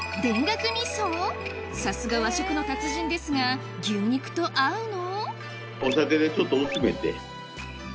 さすが和食の達人ですが牛肉と合うの？